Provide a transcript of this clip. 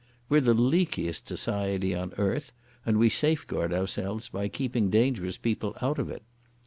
We're the leakiest society on earth, and we safeguard ourselves by keeping dangerous people out of it.